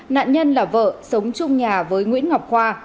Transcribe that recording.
nạn nhân là vợ sống chung nhà với nguyễn ngọc khoa